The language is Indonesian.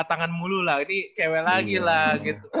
batangan mulu lah ini cewek lagi lah